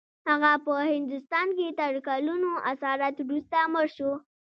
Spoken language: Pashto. هغه په هندوستان کې تر کلونو اسارت وروسته مړ شو.